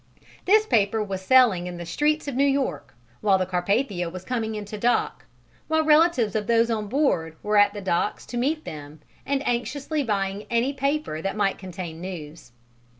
This paper was selling in the streets of New York while the Carpathia was coming into dock, while relatives of those on board were at the docks to meet them and anxiously buying any paper that might contain news.